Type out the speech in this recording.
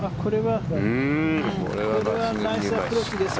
これはナイスアプローチですけど。